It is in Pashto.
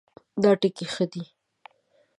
دا ټکی ښه دی